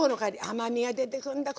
甘みが出てくんだ。